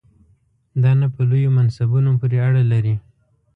دا نه په لویو منصبونو پورې اړه لري.